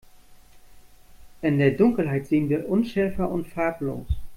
In der Dunkelheit sehen wir unschärfer und farblos.